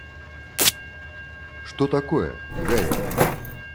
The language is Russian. Что такое, Гарри?